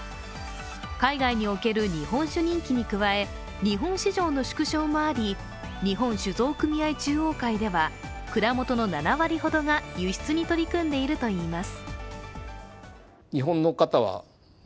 海外における日本酒人気に加え、日本市場の縮小もあり、日本酒造組合中央会では蔵元の７割ほどが輸出に取り組んでいるといいます。